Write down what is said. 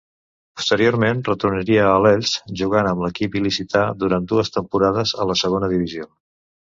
Posteriorment retornaria a l'Elx, jugant amb l'equip il·licità durant dues temporades a la Segona Divisió.